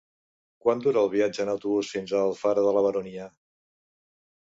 Quant dura el viatge en autobús fins a Alfara de la Baronia?